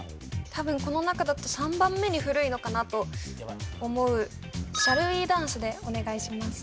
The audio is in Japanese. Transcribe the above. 多分この中だと３番目に古いのかなと思う「Ｓｈａｌｌｗｅダンス？」でお願いします